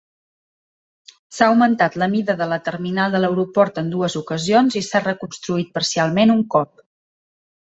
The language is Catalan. S'ha augmentat la mida de la terminal de l'aeroport en dues ocasions i s'ha reconstruït parcialment un cop.